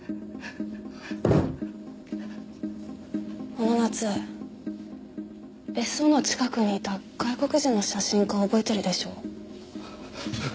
あの夏別荘の近くにいた外国人の写真家を覚えてるでしょ？